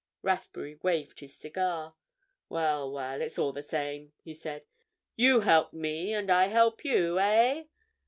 Rathbury waved his cigar. "Well, well, it's all the same," he said. "You help me, and I help you, eh?